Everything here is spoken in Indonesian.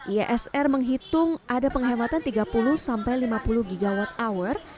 iesr menghitung ada penghematan tiga puluh sampai lima puluh gigawatt hour